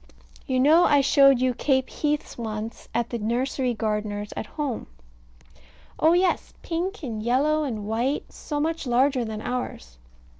You know I showed you Cape heaths once at the nursery gardener's at home. Oh yes, pink, and yellow, and white; so much larger than ours.